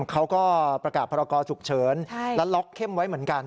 เขาก็ประกาศพรกรฉุกเฉินและล็อกเข้มไว้เหมือนกัน